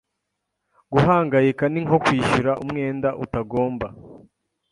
Guhangayika ni nko kwishyura umwenda utagomba.